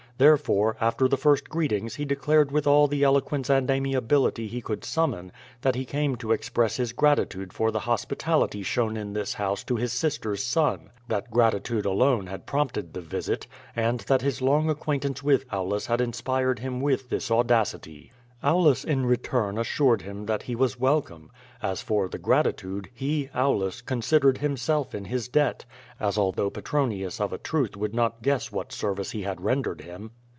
Therefore, after the first greetings he declared with all the eloquence and amiability he could summon, that he came to express his gratitude for the hospitality shown in this house to his sister's son; that gratitude alone had prompted the visit, and that his long acquaintance with Au lus had inspired him with this audacity. Aulus in return assured him that he was welcome. As for the gratitude, he, Aulus, considered himself in his debt, as although Petronius of a truth would not guess what service he had rendered him.